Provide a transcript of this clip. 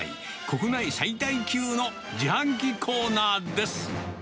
国内最大級の自販機コーナーです。